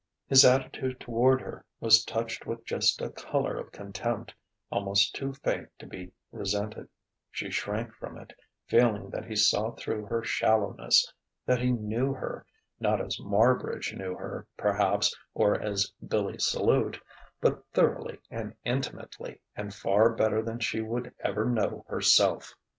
His attitude toward her was touched with just a colour of contempt, almost too faint to be resented; she shrank from it, feeling that he saw through her shallowness, that he knew her, not as Marbridge knew her, perhaps, or as Billy Salute, but thoroughly and intimately, and far better than she would ever know herself.